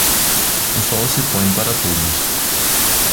O sol se põe para todos.